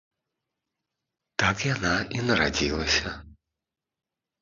Так яна і нарадзілася.